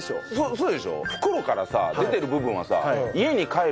そうでしょう。